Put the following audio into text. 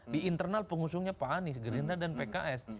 di internal pengusungnya pak anies gerindra dan pks